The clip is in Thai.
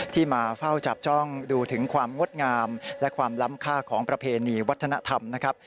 ที่มาเฝ้าจับจ้องดูถึงความงดงามและความล้ำค่าของประเพณีวัฒนธรรมนะครับ